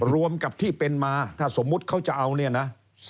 รวมกับที่เป็นมาถ้าสมมุติเขาจะเอาเนี่ยนะ